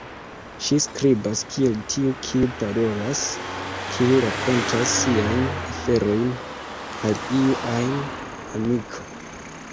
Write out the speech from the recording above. Ŝi skribas kiel tiu kiu parolas, kiu rakontas siajn aferojn al iu ajn amiko.